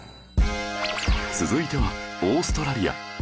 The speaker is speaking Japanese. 続いてはオーストラリア